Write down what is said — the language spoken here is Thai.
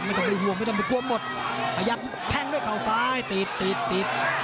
มันก็ไม่ห่วงไม่กลัวหมดขยับแท่งด้วยเขาซ้ายตีดตีดตีด